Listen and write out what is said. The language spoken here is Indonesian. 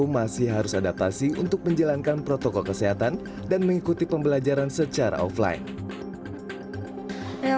masih harus adaptasi untuk menjalankan protokol kesehatan dan mengikuti pembelajaran secara offline